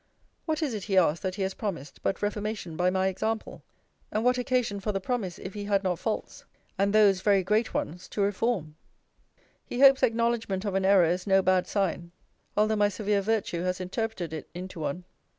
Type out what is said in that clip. What is it, he asks, that he has promised, but reformation by my example? And what occasion for the promise, if he had not faults, and those very great ones, to reform? He hopes acknowledgement of an error is no bad sign; although my severe virtue has interpreted it into one.